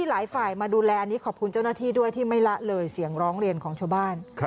หลายฝ่ายมาดูแลอันนี้ขอบคุณเจ้าหน้าที่ด้วยที่ไม่ละเลยเสียงร้องเรียนของชาวบ้าน